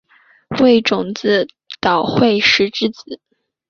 为种子岛惠时之子。